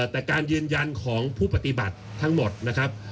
แต่การยืนยันของผู้ปฏิบัติทั้งหมดนะครับ